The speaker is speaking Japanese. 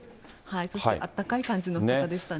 そしてあったかい感じの方でしたね。